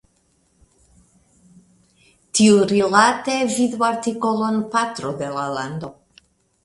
Tiurilate vidu artikolon Patro de la Lando.